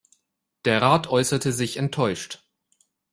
Der Rat äußerte sich enttäuscht.